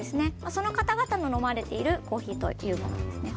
その方々の飲まれているコーヒーということです。